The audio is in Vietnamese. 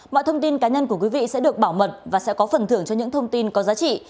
mọi thông tin cá nhân của quý vị sẽ được bảo mật và sẽ có phần thưởng cho những thông tin có giá trị